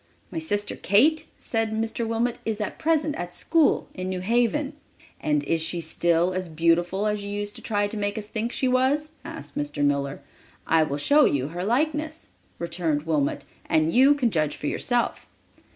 "My sister Kate," said Mr. Wilmot, "is at present at school in New Haven." "And is she still as beautiful as you used to try to make us think she was?" asked Mr. Miller. "I will show you her likeness," returned Wilmot, "and you can judge for yourself."